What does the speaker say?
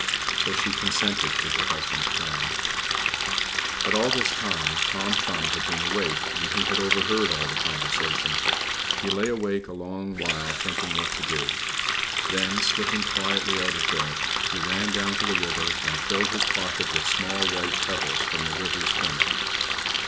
So she consented to her husband's plan. But all this time Tom Thumb had been awake, and he had overheard all the conversation. He lay awake a long while thinking what to do. Then, slipping quietly out of bed, he ran down to the river and filled his pocket with small white pebbles from the river's brink.